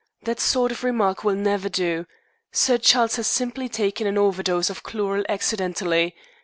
That sort of remark will never do. Sir Charles has simply taken an over dose of chloral accidentally.